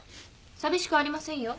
寂しくありませんよ。